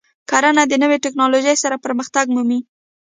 کرنه د نوې تکنالوژۍ سره پرمختګ مومي.